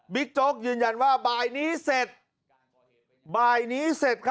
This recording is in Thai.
บิ๊กจกยืนยันว่าบายนี้เสร็จบายนี้เสร็จครับ